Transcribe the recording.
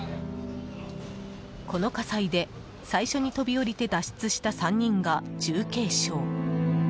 この火災で、最初に飛び降りて脱出した３人が重軽傷。